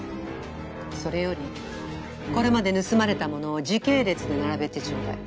それよりこれまで盗まれたものを時系列で並べてちょうだい。